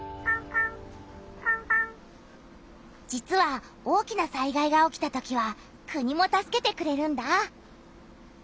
実は大きな災害が起きたときは「国」も助けてくれるんだ！